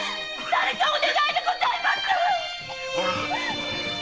だれかお願いでございます！